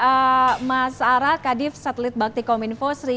terima kasih pak kadif satelit baktikominfo sri